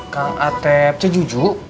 kang atep ce juju